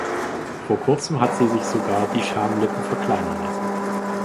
Vor kurzem hat sie sich sogar die Schamlippen verkleinern lassen.